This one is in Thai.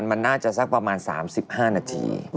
มันน่าจะสักประมาณ๓๕นาที